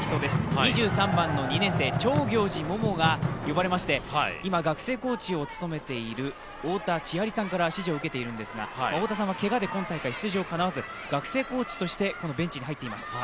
２３番の２年生、長行司百杏が呼ばれまして今、学生コーチを務めている太田千満さんが指示を出しているんですが太田さんはけがで今大会、出場かなわず、学生コーチとしてこのベンチに入っています。